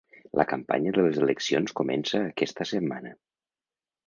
La campanya de les eleccions comença aquesta setmana.